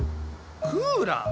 クーラー？